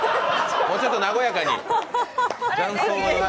もうちょっ和やかに。